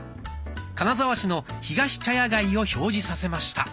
金沢市のひがし茶屋街を表示させました。